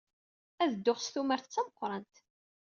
Ad dduɣ s tumert d tameqrant.